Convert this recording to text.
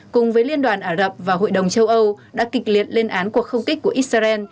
cùng với liên đoàn ả rập và hội đồng châu âu đã kịch liệt lên án cuộc không kích của israel